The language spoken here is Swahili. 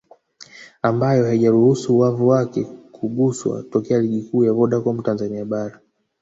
ambayo haijaruhusu wavu wake kuguswa tokea Ligi Kuu ya Vodacom Tanzania Bara